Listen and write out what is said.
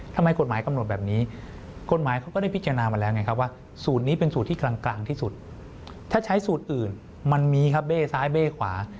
ถ้าใช้สูตรอื่นมันมีครับเบ้ซ้ายเบ้ขวา